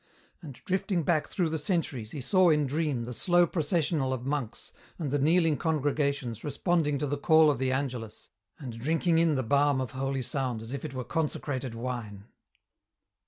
And drifting back through the centuries he saw in dream the slow processional of monks and the kneeling congregations responding to the call of the angelus and drinking in the balm of holy sound as if it were consecrated wine.